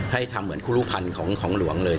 ให้ทำเหมือนครูรุภัณฑ์ของหลวงเลย